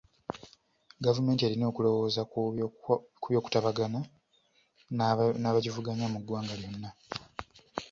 Gavumenti erina okulowooza ku by'okutabagana n'abagivuganya mu ggwanga lyonna.